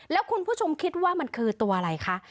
แล้วคุณผู้ชมคิดว่ามันคือตัวอะไรคะ